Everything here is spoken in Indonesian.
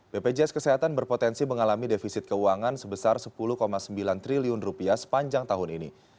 bpjs kesehatan berpotensi mengalami defisit keuangan sebesar rp sepuluh sembilan triliun rupiah sepanjang tahun ini